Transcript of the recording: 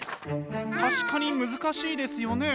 確かに難しいですよね。